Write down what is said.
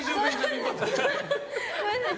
ごめんなさい。